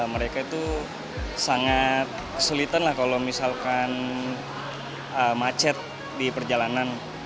mereka itu sangat kesulitan lah kalau misalkan macet di perjalanan